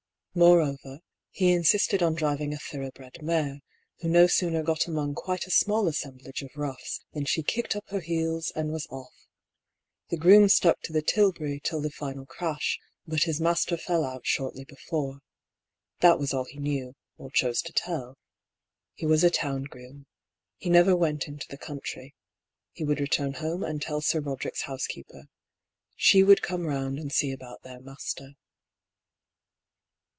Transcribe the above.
More over, he insisted on driving a thoroughbred mare, who no sooner got among quite a small assemblage of roughs than she kicked up her heels and was off. The groom stuck to the tilbury till the final craA, but his master fell out shortly before. That was all he knew (or chose to tell). He was a town groom. He never went into the country. He would return home and tell Sir Roderick's housekeeper. She would come round and see about their master.